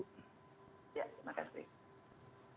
ya terima kasih